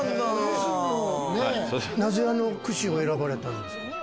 なぜ、あのくしを選ばれたんですか？